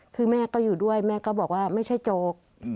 คือแม่ก็อยู่ด้วยแม่ก็บอกว่าไม่ใช่โจ๊ก